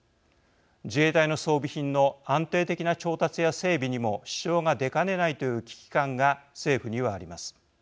自衛隊の装備品の安定的な調達や整備にも支障が出かねないという危機感が政府にはあります。